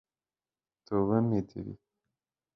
توبه مې دې وي.